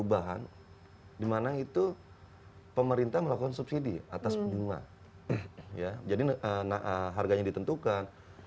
bahan dimana itu pemerintah melakukan subsidi atas bunga ya jadi harganya ditentukan